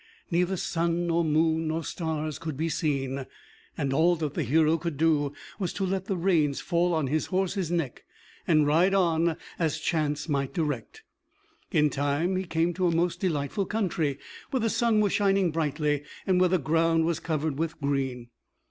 Neither sun, nor moon, nor stars could be seen; and all that the hero could do was to let the reins fall on his horse's neck, and ride on as chance might direct. In time he came to a most delightful country, where the sun was shining brightly, and where the ground was covered with green.